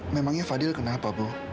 memangnya fadil kenapa bu